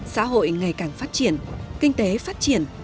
xã hội ngày càng phát triển kinh tế phát triển